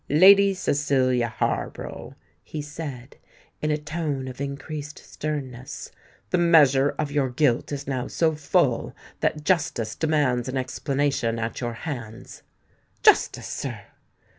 "Lady Cecilia Harborough," he said, in a tone of increased sternness, "the measure of your guilt is now so full, that justice demands an explanation at your hands." "Justice, sir!"